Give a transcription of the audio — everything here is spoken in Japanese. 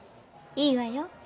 いいわよ。